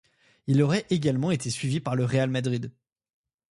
Il aurait également été suivi par le Real Madrid.